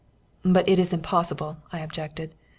"But it is impossible," I objected.